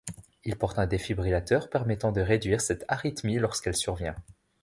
Il porte un défibrillateur permettant de réduire cette arythmie lorsqu'elle survient.